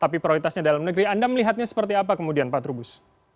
tapi prioritasnya dalam negeri anda melihatnya seperti apa kemudian pak trubus